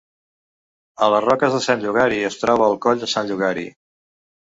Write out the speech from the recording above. A les Roques de Sant Llogari es troba el Coll de Sant Llogari.